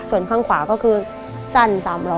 ส่วนข้างขวาก็คือสั้น๓ล้อ